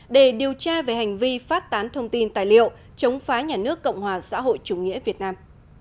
để điều tra về hành vi phát tán thông tin tài liệu chống phá nhà nước cộng hòa xã hội chủ nghĩa việt nam